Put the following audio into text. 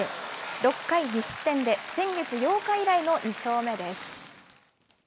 ６回２失点で、先月８日以来の２勝目です。